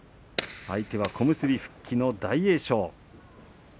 相手は小結復帰の大栄翔。